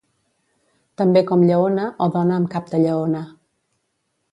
També com lleona, o dona amb cap de lleona.